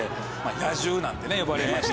野獣なんて呼ばれまして。